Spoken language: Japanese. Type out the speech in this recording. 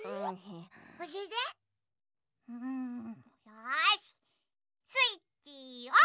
あれれ？よしスイッチオン！